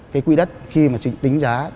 cái quỹ đất khi mà tính giá